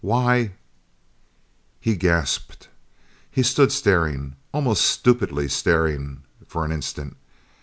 "Why " He gasped. He stood staring. Almost stupidly staring, for an instant.